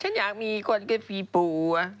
ฉันอยากมีคนทางกระบุเปล่า